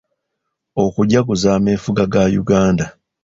Okujaguza ameefuga ga Uganda